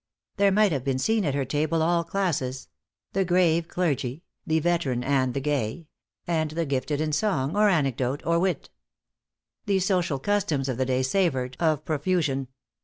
There might be seen at her table all classes; the grave clergy, the veteran and the gay and the gifted in song, or anecdote, or wit. The social customs of the day savored of profusion.